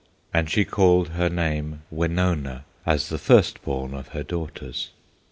And she called her name Wenonah, As the first born of her daughters.